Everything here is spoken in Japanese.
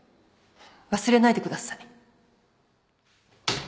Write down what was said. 忘れないでください